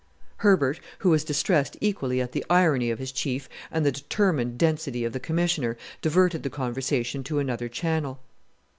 Herbert, who was distressed equally at the irony of his Chief and the determined density of the Commissioner, diverted the conversation to another channel.